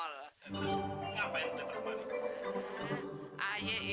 lalu apa yang udah terjadi